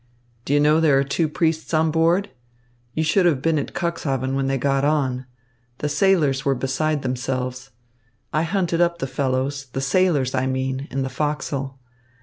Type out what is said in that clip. "Do you know there are two priests on board? You should have been at Cuxhaven when they got on. The sailors were beside themselves. I hunted up the fellows, the sailors I mean, in the forecastle.